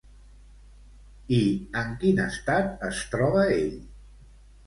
I en quin estat es troba ell?